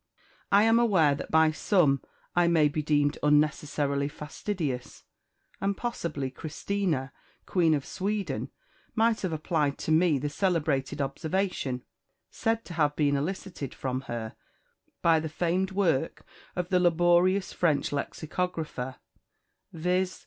I am aware that by some I may be deemed unnecessarily fastidious; and possibly Christina, Queen of Sweden, might have applied to me the celebrated observation, said to have been elicited from her by the famed work of the laborious French Lexicographer, viz.